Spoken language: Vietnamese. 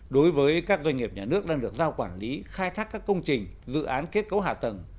đối với các doanh nghiệp nhà nước đang được giao quản lý khai thác các công trình dự án kết cấu hạ tầng